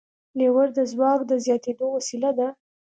لیور د ځواک د زیاتېدو وسیله ده.